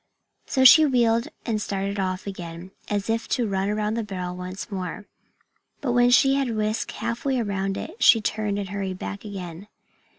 So she wheeled and started off again, as if to run around the barrel once more. But when she had whisked half way around it she turned and hurried back again.